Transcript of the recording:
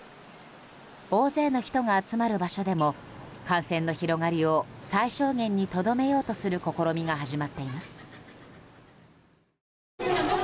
大勢の人が集まる場所でも感染の広がりを最小限にとどめようとする試みが始まっています。